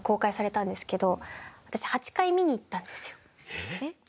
えっ？